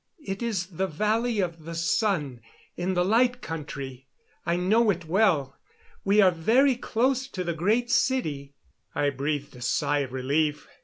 It is the Valley of the Sun, in the Light Country. I know it well. We are very close to the Great City." I breathed a sigh of relief.